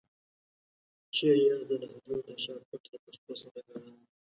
چيري یاست د لهجو تر شا پټ د پښتو سوداګرانو؟